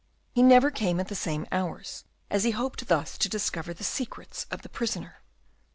He never came at the same hours as he hoped thus to discover the secrets of the prisoner.